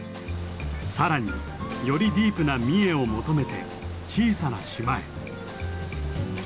更によりディープな三重を求めて小さな島へ。